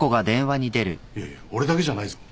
いやいや俺だけじゃないぞ。